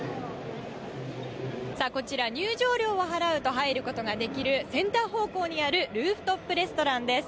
こちら、入場料を払うと入ることができるセンター方向にあるルーフトップレストランです。